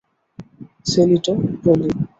সেলিটো, পলি।